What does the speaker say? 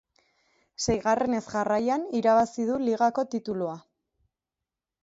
Seigarrenez jarraian irabazi du ligako titulua.